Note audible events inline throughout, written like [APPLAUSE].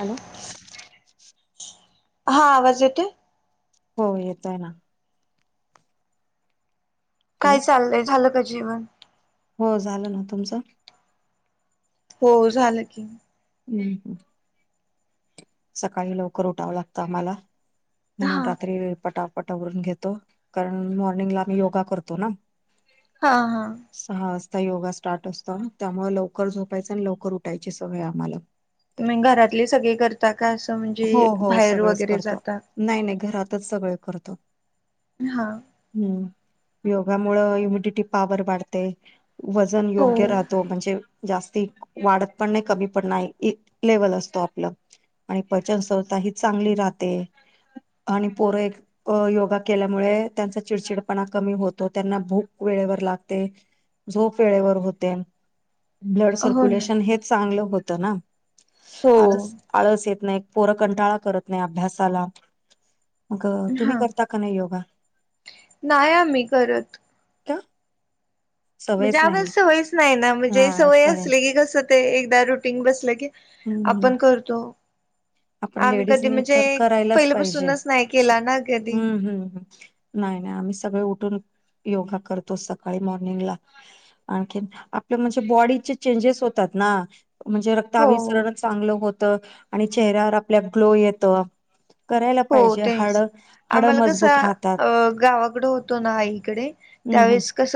Hello! हा आवाज येतोय? हो येतोय ना. हॅलो काय चाललंय झालं का जेवण? हो झालं ना तुमचं? हो झालं की. हूं हूं! सकाळी लवकर उटावं लागतं आम्हाला म्हणून हा रात्री पटा पट आवरून घेतो कारण मॉर्निंगला आम्ही योगा करतो ना. हा हा! सहा वाजता योगा स्टार्ट असत, त्यामुळे लवकर झोपायचं आणि लवकर उठायची सवय आम्हाला. म घरातली सगळी कर ता का असं हो म्हणजे हो बाहेर सगळेच वगैरे करतो जाता. नाही नाही घरातच सगळे हा! हूं योगामुळ इम्युडिटी पावर वाढते वजन हो योग्य राहत तो म्हणजे जास्ती वाढत पण नाही कमी पण नाही ई लेवल असतो आपला आणि पचनसंस्था ही चांगली राहते आणि पोर एक अ योगा केल्यामुळे त्यांचा चिडचिडपणा कमी होतो, त्यांना भूक वेळेवर लागते. झोप वेळेवर होते. ब्लड हो ना सर्क्युलेशन हे चांगलं होत ना हो आळस आळस येत नाही पोरकंटाळा करत नाही अभ्यासाला. मग तुम्ही हा करता का नाही योगा नाही आम्ही करत का? म्हणजे सवयच आमला नाही सवयच नाही ना, म्हणजे सवय असली की कसं ते एकदा रुटीन बसलं की [INAUDIBLE] आपण करतो. आपण आम्ही कधी लेडीजनी म्हणजे तर करायलाच पाहिजे पहिल्यापासूनच नाही केला ना कधी हूं हूं. नाही, नाही आम्ही सगळे उठून योगा करतो सकाळी मॉर्निंगला. आणखीन आपलं म्हणजे बॉडीचे चेंजेस होतात ना. म्हणजे रक्ता हो अभिसरणच चांगलं होतं, आणि चेहऱ्यावर आपल्या ग्लो येतो. करायला हो पाहिजे हाड तेच हाड आम्हाला कसं मजबूत राहतात. अ गावा इकडं होतो ना आई कडे हम्म हम्म त्यावेळेस कस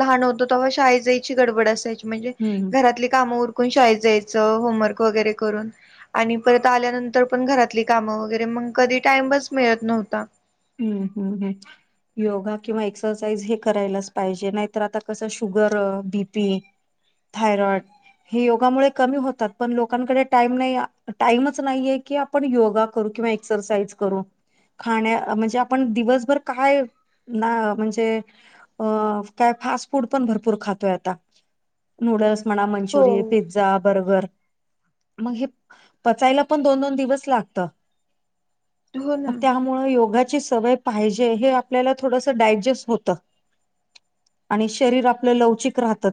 लहान होतो तव्हा शाळेत जायची गडबड असायची. म्हणजे हम्म घरातली कामं उरकून शाळेत जायचं होमवर्क वगैरे करून. आणि परत आल्यानंतर पण घरातली कामं वगैरे मग कधी टाइमच मिळत नव्हता. हम्म हम् हम् योगा किंवा एक्सरसाइज हे करायलाच पाहिजे. नाहीतर आता कसं शुगर, बीपी थायरॉईड हे योगामुळे कमी होतात. पण लोकांकडे टाईम नाही, टाईमच नाहीये की पण योगा करून किंवा एक्सरसाइज करून, खाण्या म्हणजे आपण दिवसभर काय, ना म्हणजे अ काय फास्ट फूड पण भरपूर खातोय आता नूडल्स म्हणा हो. मंचुरिय पिझ्झ पिझ्झा बर्गर मग हे पचायला पण दोन दोन दिवस लागत. हो ना मग त्यामुळ योगाची सवय पाहिजे हे आपल्याला थोडस डायजेस्ट होत. आणि शरीर आपलं लवचिक राहतं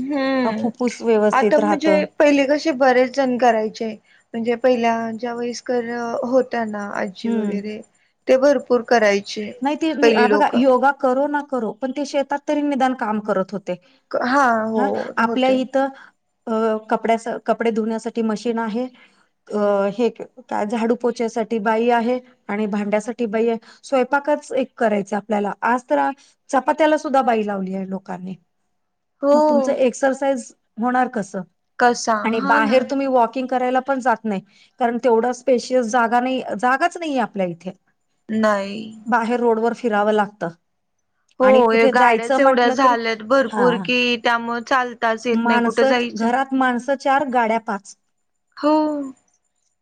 हम्म आता व्यवस्थित राहतं. म्हणजे पहिले कसे बरेच जण करायचे म्हणजे पहिल्या ज्या वयस्कर होत्या ना. चिव हम्म. वगैरे ते भरपूर करायचे. नाही ते पहिली बघा, लोकं योगा करो ना करो पण ते शेतात तरी निदान काम करत होते. हा हो हा आपल्या होते इथं अ कपड्यास कपडे धुण्यासाठी मशीन आहे. अ हे का झाडू पोछ्यासाठी बाई आहे, आणि भांड्यासाठी बाई आहे स्वय पाकच एक करायचं आपल्याला, आज तर चपात्याला सुद्धा बाई लावली आहे लोकांनी. हो मग तुमचं एक्सरसाइज होणार कसं? कसा आणि हा ना बाहेर तुम्ही वॉकिंग करायला पण जात नाही, कारण तेवढा स्पेशियस जागा नाही जागाच नाहीे आपल्या इथे. नाही. बाहेर रोडवर फिरावं लागतं. हो आणि हे कुठे जायचं गाड्याच एवढ्या म्हंटलं तरी, झाल्यात हा भरपूर कि त्यामुळे चालताच येत नाही कुठं माणसं जायचं घरात माणसं चार गाड्या पाच. हो.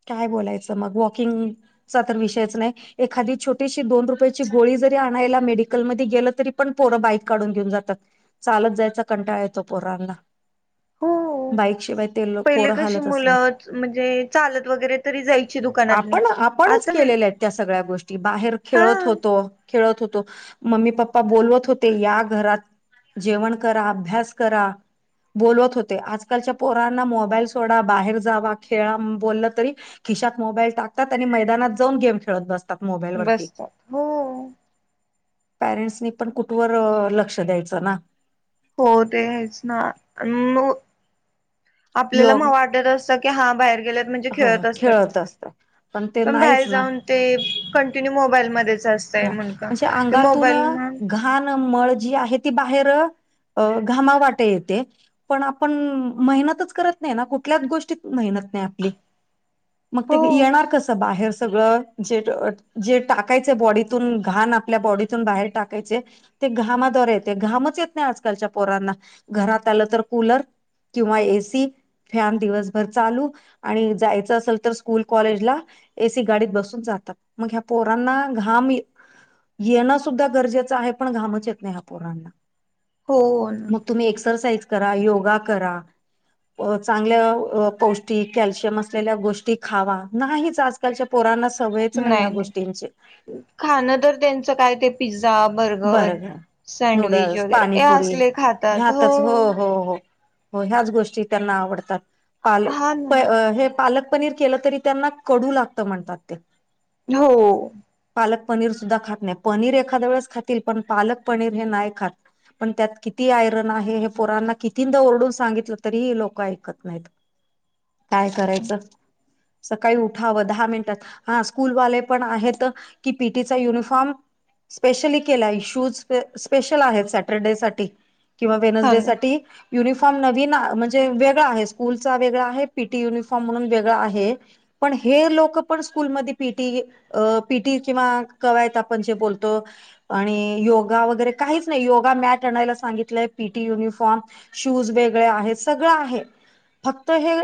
काय बोलायचं मग, वॉकिंगचा तर विषयच नाही एखादी छोटी ती दोन रूपयेची गोळी जरी आणायला मेडिकल मध्ये गेलं तरी पण पोरं बाईक काढून घेऊन जातात. चालत जायचा कंटाळा येतो पोरांना. हो बाईकशिवाय ते लो पहिले पोरं कशी हालतच नाहीत. मुलं म्हणजे चालत वगैरे तरी जायची दुकानातनी आपण आपणच आता नाही केलेल्या आहेत त्या सगळ्या गोष्टी, बाहेर हा खेळत होतो, खेळत होतो मम्मी पप्पा बोलवत होते या घरात जेवण करा, अभ्यास करा. बोलवत होते. आजकालच्या पोरांना मोबाईल सोडा, बाहेर जावा, खेळा बोललं तरी खिशात मोबाईल टाकतात आणि मैदानात जाऊन गेम खेळत बस बसतात. हो पॅरेंट्सनी पण कुठवर अ लक्ष द्यायचं ना? हो तेच ना, म आपल्याला योग मग वाटत अस की हा बाहेर गेलेत म्हणजे ह खेळत असतात, असत ते पण नाहीच बाहेर ना जाऊन ते कंटिन्यू मोबाईलमध्येच असतंय मुंडकं, ते मोबाईल मग हा ना, मळ जी आहे ती बाहेर अ घामावाटे येते. पण आपण मेहनतच करत नाही ना, कुठल्याच गोष्टीत मेहनत नाही आपली. मग हो ते येणार कसं बाहेर सगळं, जे जे टाकायच बॉडी तून घाण आपल्या बॉडीतून बाहेर टाकायचे ते घामाद्वारे येते, घामच येत नाही आजकालच्या पोरांना, घरात आलं तर कूलर किंवा एसी फॅन दिवसभर चालू आणि जायचं असेल तर स्कूल कॉलेजला एसी गाडीत बसून जातात. मग ह्या पोरांना घाम येणं सुद्धा गरजेचं आहे पण घामच येत नाही ह्या पोरांना. हो ना. मग तुम्ही एक्सरसाइज करा, योगा करा. अ चांगल्या पौष्टिक, कॅल्शियम असलेल्या गोष्टी खावा, नाहीच आज आजकालच्या पोरना सवयच नाही या गोष्टींची. खाणं तर त्यांचं काय ते पिझ्झा बर्गर बरं सँडविच नूडल्स वगैरे हे पाणीपुरी असले खातात हो. हो ह्याच गोष्टी त्यांना आवडतात पाल हा प ना हे पालक. पनीर केलं तरी त्यांना कडू लागतं म्हणतात ते. हो पालक पनीर सुद्धा खात नाही, पनीर एखाद्या वेळेस खातील पण पालक पनीर हे नाही खात. पण त्यात किती आयरन आहे हे पोरांना कितींदा ओरडून सांगितलं तरी हे लोक ऐकत नाहीत. काय करायचं? सकाळी उठावं दहा मिनिटात हा स्कूलवाले पण आहेत की, पीटीचा युनिफॉर्म. स्पेशली. केलाय शूज स्पेशल आहेत सॅटर्डेसाठी किंवा हा ना वेनस्डेसाठी युनिफॉर्म नवीन म्हणजे वेगळा आहे स्कूलचा वेगळा आहे, पीटी युनिफॉर्म म्हणून वेगळा आहे. पण हे लोक पण स्कूलमध्ये पीटी. अ पीटी किंवा कवायत आपण जे बोलतो. आणि योगा वगैरे काहीच नाही योगा मॅट आणायला सांगितलंय पीटी युनिफॉर्म. शूज वेगळे आहेत सगळं आहे. फक्त हे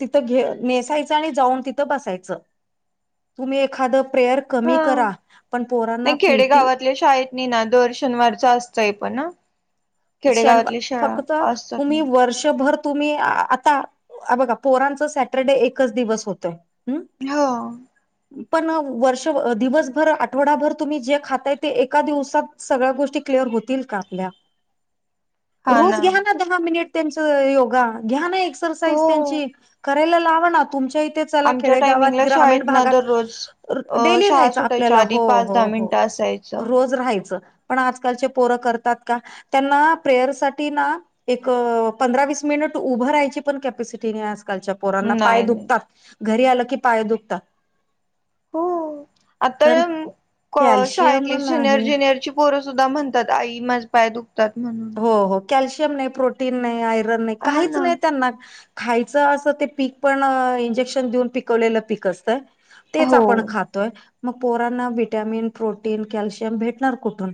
तिथं घे नेसायचं आणि जाऊन तिथं बसायचं. तुम्ही एखादं प्रेयर कमी हा करा पण पोरांना पिटी आणि ना दर शनिवारच असतंय पण हँ शनवार फक्त असतात ना तुम्ही वर्षभर. तुम्ही आता बघा पोरांच सॅटरडे एकच दिवस होतोय हुं हो पण वर्ष, दिवसभर, आठवडाभर तुम्ही जे खाताय ते एका दिवसात. सगळ्या गोष्टी क्लिअर होतील का आपल्या? रोज घ्या ना दहा मिनिट त्यांच योगा घ्या ना हो एक्सरसाईज त्यांची. करायला लावा ना तुमच्या इथे चला आमच्या खेडेगावात टायमिंगला ग्रामीण शाळेत ना भागात. दररोज अ डेली शाळा राहायचं सुटायच्या आपल्याला आधी हो पाच दहा हो हो मिनिटं असायचं रोज राहायचं. पण आजकालचे पोरं करतात का? त्यांना प्रेयरसाठीठी ना. एक पंधरा वीस मिनट उभं राहायची पण कॅपॅसिटी नाही आजकालच्या. पोरांना पाय नाही नाही दुखतात, घरी आलं की पाय दुखतात. हो आता कारण कॅल्शियम शाळेतली सिनियर नाही ज्युनियरची. पोरं सुद्धा म्हणतात आई माझं पाय दु खतात म्हणून. हो हो कॅल्शियम नाही, प्रोटीन नाही, आयरन नाही, हा काहीच ना नाही त्यांना. खायचं असं ते पीक पण इंजेक्शन देऊन पिकवलेलं पीक असतं तेच हो आपण खात. तोय मग पोरांना व्हिटामिन, प्रोटीन, कॅल्शियम भेटणार कुठून?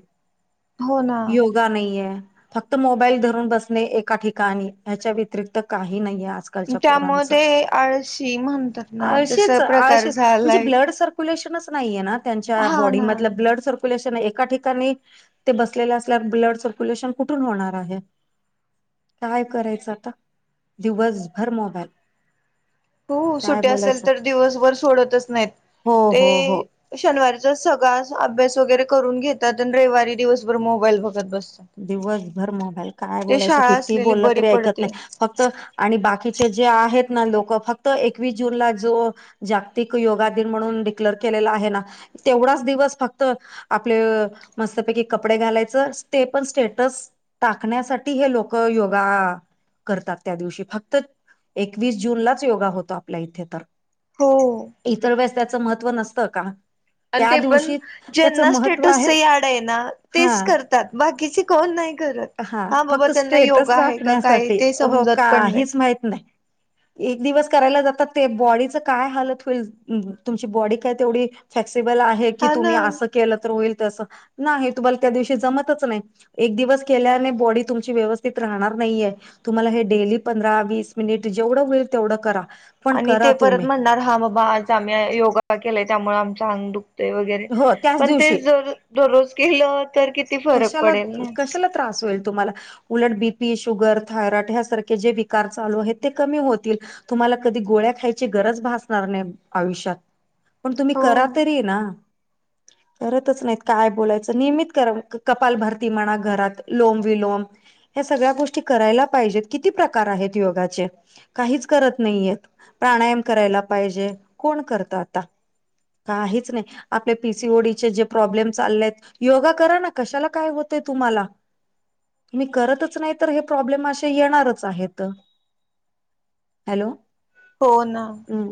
हो ना. सुद्धा नाही आहे फक्त मोबाईल धरून बसणे एका ठिकाणी ह्याच्या व्यतिरिक्त काही नाहीे आज. आजकालच्या त्यामुळे पोरांचं ते आळशी म्हणतात ना तसा आळशीच - प्रकार आळशीच म्हणजे झालाय ब्लड सर. सर्क्युलेशनच नाही आहे ना त्यांच्या हा ना बॉडीमधलं ब्लड सर्कू. सर्क्युलेशन एका ठिकाणी ते बसलेले असल्यावर ब्लड सर्क्युलेशन कुठून होणार आहे? काय करायचं आता दिवसभर मोबाईल. हो काय सुट्टी असेल बोलायचं तर दिवसभर सोडतच नाहीत हो ते. हो हो शनिवारीचा सगळा अभ्यास वगैरे करून घेतात आणि रविवारी दिवसभर मोबाईल बघत बसतात. दिवसभर मोबाईल काय ते बोलायचं शाळा किती असलेली बोललं बरी तरी ऐकत पडते नाही फक्त. आणि बाकीचे जे आहेत ना लोक फक्त एकवीस जूनला जो. जागतिक योगा दिन म्हणून डिक्लेअर केलेला आहे ना. तेवढाच दिवस फक्त आपले मस्तपैकी कपडे घालायचं. ते पण स्टेटस टाकण्यासाठी हे लोक योगा. करतात त्या दिवशी फक्त एकवीस जूनलाच योगा होतो आपल्या इथे तर. हो इतर वेळेस त्याचं महत्व नसतं का? आणि त्या ते पण दिवशी त्याचं ज्यांना महत्त्व स्टेटसच आहे याड आहे ना हा तेच कर तात बाकीचे कोण नाही करत. हा बाबा फक्त त्यांना स्टेटस योगा आहे का काय राखण्यासाठी ते हो समजत पण नाही काहीच माहित नाही. एक दिवस करायला जातात ते बॉडीच काय हालत होईल तुमची बॉडी काय तेवढी फ्लेक्सिबल आहे की हा तुम्ही ना. असं केलं तर होईल तस नाही तुम्हाला त्या दिवशी जमत नाही एक दिवस केल्याने बॉडी तुमची व्यवस्थित राहणार नाहीेये. तुम्हाला हे डेली पंधरा वीस मिनिट जेवढं होईल तेवढं करा. पण आणि करा ते परत तुम्ही म्हणणार हा बाबा आज आम्ही योगा केलाय त्यामुळे आमच अंग दुख वगैरे हो त्याच पण ते दिवशी जर दररोज केलं तर किती फरक कशाला पडेल ना. कशाला त्रास होईल तुम्हाला उलट बीपी, शुगर, थायरॉइड ह्यासारखे जे विकार चालू आहेत ते कमी होतील. तुम्हाला कधी गोळ्या खायची गरज भासणार नाही आयुष्यात पण तुम्ही हो करा तरी ना करतच नाहीत काय बोलायचं नियमित करा. कपाल भरती म्हणा घरात लोम विलोम ह सगळ्या गोष्टी करायला पाहिजेत किती प्रकार आहेत योगाचे काहीच करत नाहीय प्राणायाम करायला पाहिजे कोण करत आता. काहीच नाही आपले पीसी ओडीचे जे प्रॉब्लेम चालले आहेत योगा कराना. कशाला काय होतय तुम्हाला. तुम्ही करतच नाही तर हे प्रॉब्लेम असे येणारच आहेत. हॅलो. हो ना. हम्म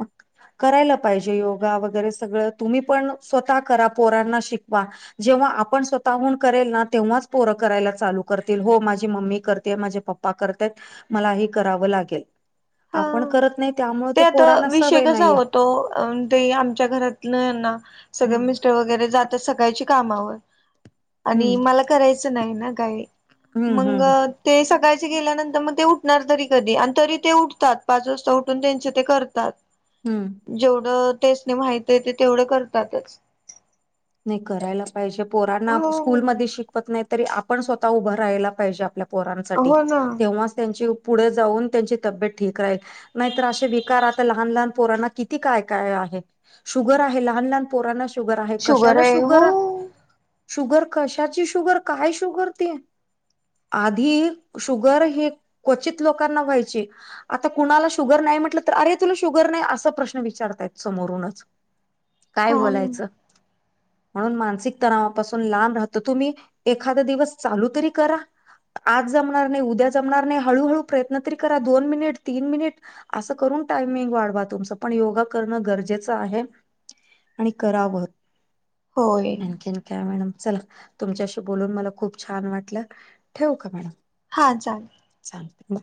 म करायला पाहिजे योगा वगैरे सगळं तुम्ही पण स्वतः करा पोरांना शिकवा. जेव्हा आप आपण स्वतःहून करेल ना तेव्हाच पोरं करायला चालू करतील हो माझी मम्मी करते माझे पप्पा करतेय. मलाही कराव लागेल हा. आपण करत नाही. त्यामुळे ते आता पोरांना विषय सवय कसा नाहीये होतो ते आमच्या घरातलं ना सगळं हम्म मि वगैरे जात सकाळची कामावर आणि हम्म मला करायचं नाही ना काही. हम्म मग हम्म ते सकाळचे गेल्यानंतर मग ते उठणार तरी कधी आणि तरी ते उ पाच वाजता उठून त्यांचे ते करतात. हम्म. जेवढं त्यासनी माहती येत तेवढं करतातच. नाही करायला पाहिजे पोरांना हो स्कूलमध्ये शिकवत नाही तरी आपण स्वतः उभं राहायला पाहिजे आपल्या पोरांसाठी हो ना तेव्हाच त्यांची पुढे जाऊन त्यांची तब्येत ठीक राहील. नाहीतर असे विकार आता लहान, लहान पोरांना किती काय, काय आहे. शुगर आहे लहान, लहान पोरांना शुगर आहे कशाला आहे हो शुगर शुगर कशाची, शुगर काय, शुगर ते. आधी शुगर हे क्वचित लोकांना व्हायची. आता कुणाला शुगर नाही म्हटलं तर अरे तुला शुगर नाही असा प्रश्न विचारतायत समोरूनच. काय हो ना बोलायचं. म्हणून मानसिक तणावापासून लांब राहत तुम्ही एखादा दिवस चालू तरी करा. आज जमणार नाही, उद्या जमणार नाही हळूहळू प्रयत्न तरी करा दोन मिनिट, तीन मिनिट, असं करून टायमिंग वाढवा तुमच पण योगा करणं गरजेचं आहे. आणि करावं. होय. आणि काय मॅडम चला तुमच्याशी बोलून मला खूप छान वाटलं ठेवुका मॅडम. हा चालेल.. झाल म...